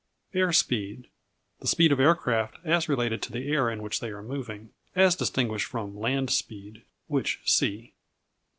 Air speed The speed of aircraft as related to the air in which they are moving; as distinguished from land speed (which see).